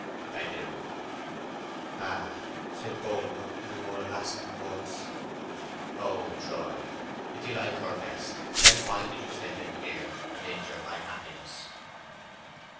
"I do." "Ah!" said Boldwood, in a more elastic voice. "Oh, Troy, if you like her best, why then did you step in here and injure my happiness?"